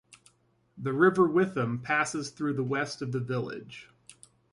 The River Witham passes through the west of the village.